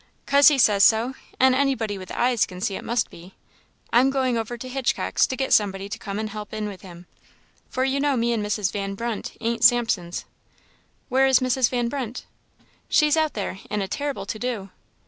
" 'Cause he says so, and anybody with eyes can see it must be. I'm going over to Hitchcock's to get somebody to come and help in with him; for you know me and Mrs. Van Brunt ain't Samsons." "Where is Mrs. Van Brunt?" "She 's out there, in a terrible to do."